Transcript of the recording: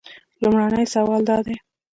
لومړنی سوال دا دی.